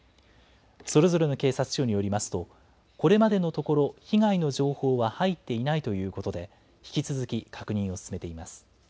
それぞれの警察署によりますと、これまでのところ、被害の情報は入っていないということで、引き続き確認を進めています。